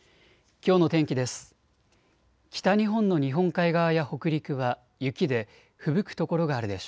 きょうの天気です。